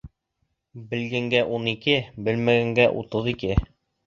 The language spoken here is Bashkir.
Белгәнгә ун ике, белмәгәнгә утыҙ ике.